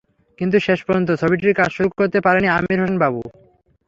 কিন্তু শেষ পর্যন্ত ছবিটির কাজ শুরু করতে পারেননি আমির হোসেন বাবু।